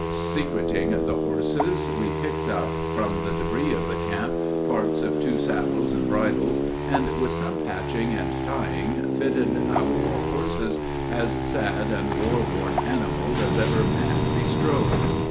Secreting the horses, we picked up from the debris of the camp parts of two saddles and bridles, and with some patching and tying fitted out our horses, as sad and war worn animals as ever man bestrode.